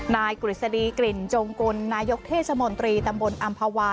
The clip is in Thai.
กฤษฎีกลิ่นจงกุลนายกเทศมนตรีตำบลอำภาวา